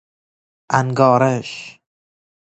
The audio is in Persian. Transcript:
انگارش